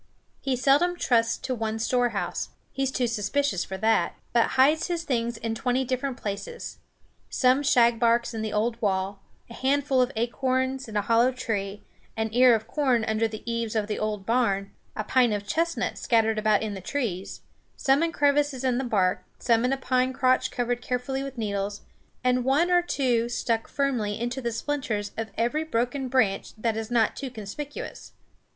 He seldom trusts to one storehouse he is too suspicious for that but hides his things in twenty different places; some shagbarks in the old wall, a handful of acorns in a hollow tree, an ear of corn under the eaves of the old barn, a pint of chestnuts scattered about in the trees, some in crevices in the bark, some in a pine crotch covered carefully with needles, and one or two stuck firmly into the splinters of every broken branch that is not too conspicuous.